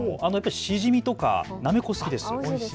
シジミとかなめこ好きですよ。